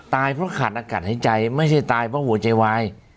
ตายเพราะขาดอากาศหายใจไม่ใช่ตายเพราะหัวใจวาย